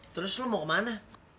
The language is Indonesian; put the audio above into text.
terus lo mau ke mana